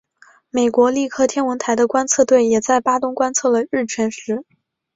美国利克天文台的观测队也在巴东观测了日全食。